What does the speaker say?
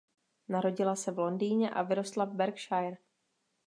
Narodila se v Londýně a vyrostla v Berkshire.